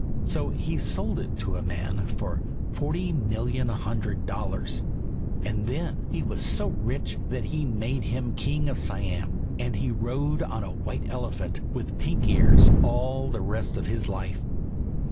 So he sold it to a man for forty million hundred dollars; and then he was so rich that they made him King of Siam, and he rode on a white elephant with pink ears all the rest of his life."